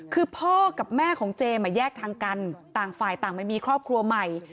คือพ่อกับแม่ของเจมส์แยกทางกันต่างฝ่ายต่างไม่มีครอบครัวใหม่